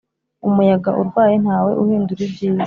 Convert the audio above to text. umuyaga urwaye ntawe uhindura ibyiza